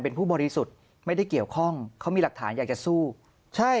เป็นผู้บริสุทธิ์ไม่ได้เกี่ยวข้องเขามีหลักฐานอยากจะสู้ใช่